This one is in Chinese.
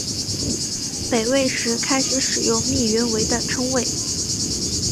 北魏时开始使用密云为的称谓。